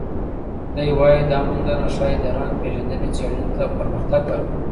دی وايي، دا موندنه ښايي د رنګ پېژندنې څېړنې ته پرمختګ ورکړي.